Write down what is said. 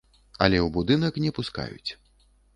Але ў будынак не пускаюць.